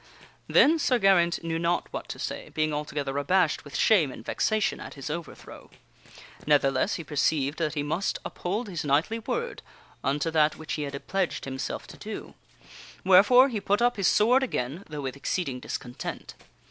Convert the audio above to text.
Then Sir Geraint knew not what to say, being altogether abashed with shame and vexation at his overthrow. Ne'theless, he perceived that he must uphold his knightly word unto that which he had pledged himself to do ; wherefore, he put up his sword again, though with exceeding discon tent.